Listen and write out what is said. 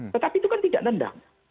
tetapi itu kan tidak nendang